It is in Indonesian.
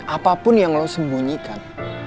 apapun yang lo sembunyikan